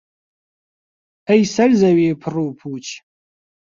ئەی سەر زەوی پڕ و پووچ